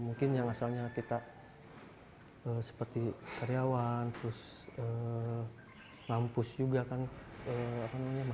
mungkin yang asalnya kita seperti karyawan terus ngampus juga kan